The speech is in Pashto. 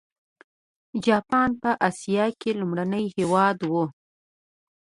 جاپان په اسیا کې لومړنی هېواد و.